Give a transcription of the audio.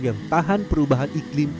yang tahan perubahan iklim